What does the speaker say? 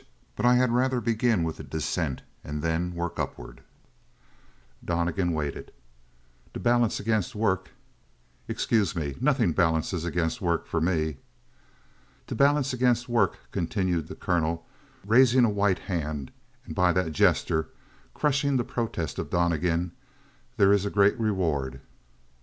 But I had rather begin with a dissent and then work upward." Donnegan waited. "To balance against work " "Excuse me. Nothing balances against work for me." "To balance against work," continued the colonel, raising a white hand and by that gesture crushing the protest of Donnegan, "there is a great reward."